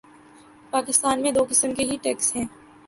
پاکستان میں دو قسم کے ہی ٹیکس ہیں۔